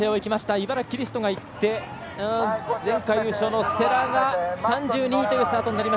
茨城キリストがいって前回優勝の世羅が３２位というスタート。